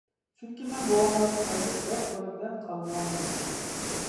چۈنكى، مەن بوۋاڭلاردىن ئايرىلىپ بەش بالا بىلەن قالغانىدىم.